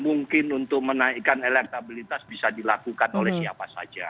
mungkin untuk menaikkan elektabilitas bisa dilakukan oleh siapa saja